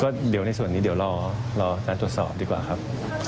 ก็เดี๋ยวในส่วนนี้เดี๋ยวรอการตรวจสอบดีกว่าครับ